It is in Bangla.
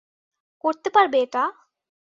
করতে পারবে এটা?